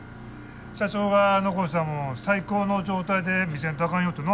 社長が残したもんを最高の状態で見せんとあかんよってな。